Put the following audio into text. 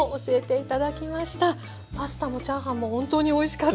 パスタもチャーハンも本当においしかったです。